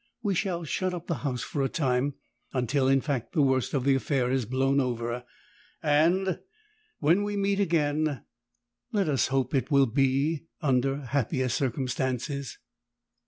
"We shall shut up the house for a time, until, in fact, the worst of the affair has blown over and when we meet again, let us hope it will be under happier circumstances."